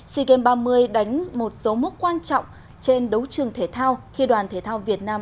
sea games ba mươi đánh một số mốc quan trọng trên đấu trường thể thao khi đoàn thể thao việt nam